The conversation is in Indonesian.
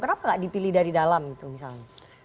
kenapa nggak dipilih dari dalam gitu misalnya